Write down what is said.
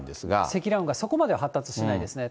積乱雲がそこまでは発達しないですね。